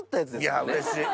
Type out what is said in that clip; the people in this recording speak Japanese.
いやうれしい。